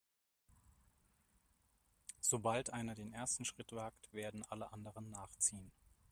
Sobald einer den ersten Schritt wagt, werden alle anderen nachziehen.